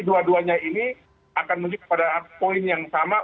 dua duanya ini akan menuju pada poin yang sama